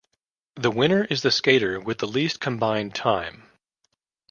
The winner is the skater with the least combined time.